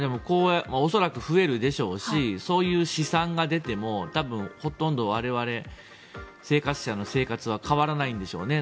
恐らく増えるでしょうしそういう試算が出ても多分ほとんど我々、生活者の生活は変わらないんでしょうね。